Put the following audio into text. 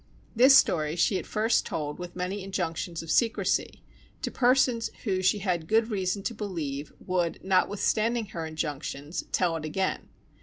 This story she at first told with many injunctions of secrecy, to persons who she had good reason to believe would, notwithstanding her injunctions, tell it again.